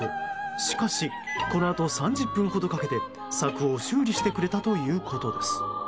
しかしこのあと３０分ほどかけて柵を修理してくれたということです。